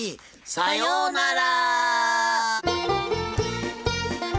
さようなら！